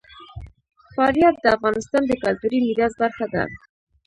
فاریاب د افغانستان د کلتوري میراث برخه ده.